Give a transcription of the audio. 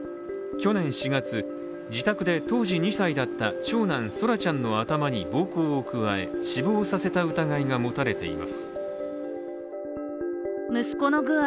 去年４月、自宅で当時２歳だった長男・空来ちゃんの頭に暴行を加え死亡させた疑いが持たれています。